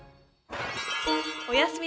おやすみ